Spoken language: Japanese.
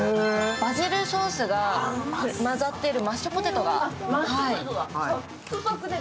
バジルソースが混じってるハッシュポテトが。